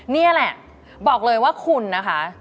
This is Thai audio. นี่แหละบอกเลยว่าคุณนะคะ